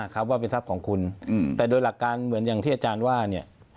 ครับว่าเป็นทรัพย์ของคุณแต่โดยหลักการเหมือนอย่างที่อาจารย์ว่าเนี่ย